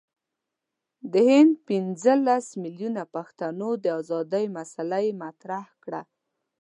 د هند پنځه لس میلیونه پښتنو د آزادی مسله یې مطرح کړه.